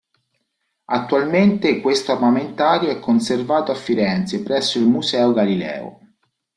Attualmente questo armamentario è conservato a Firenze presso il Museo Galileo.